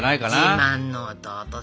自慢の弟さ。